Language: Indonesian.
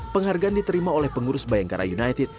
penghargaan diterima oleh pengurus bayangkara united